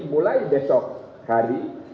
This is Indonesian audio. mulai besok hari